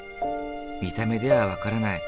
見た目では分からない。